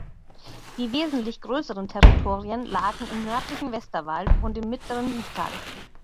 Die wesentlich größeren Territorien lagen im nördlichen Westerwald und im mittleren Siegtal.